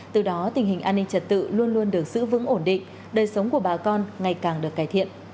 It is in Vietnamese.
từ đó tình hình an ninh trật tự luôn luôn được giữ vững ổn định đời sống của bà con ngày càng được cải thiện